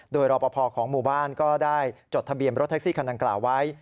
โดยรอปภของหมู่บ้านก็ได้จดทะเบียนรถแท็กซี่คันดังกล่าวไว้